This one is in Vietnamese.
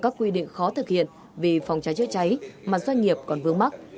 các doanh nghiệp có quy định khó thực hiện vì phòng cháy chữa cháy mà doanh nghiệp còn vướng mắc